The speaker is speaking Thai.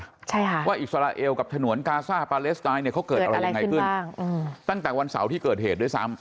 ใช่ค่ะว่าอิสราเอลกับฉนวนกาซ่าปาเลสไตน์เนี่ยเขาเกิดอะไรยังไงขึ้นบ้างอืมตั้งแต่วันเสาร์ที่เกิดเหตุด้วยซ้ำ